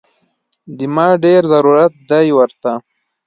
دې ما ډېر ضرورت دی ورته